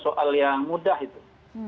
soal yang mudah itu